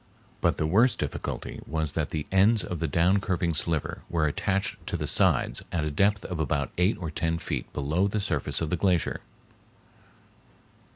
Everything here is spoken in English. But the worst difficulty was that the ends of the down curving sliver were attached to the sides at a depth of about eight or ten feet below the surface of the glacier.